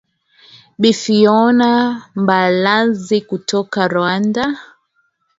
bi fiona mbalazi kutoka rwanda